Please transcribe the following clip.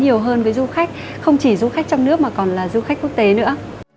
nhiều hơn với du khách không chỉ du khách trong nước mà còn là du khách quốc tế nữa